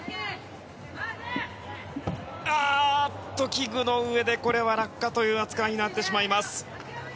器具の上で、これは落下という扱いとなってしまいます。